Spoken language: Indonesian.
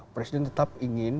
presiden tetap ingin